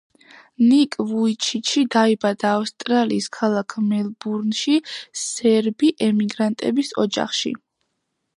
ნიკ ვუიჩიჩი დაიბადა ავსტრალიის ქალაქ მელბურნში, სერბი ემიგრანტების ოჯახში.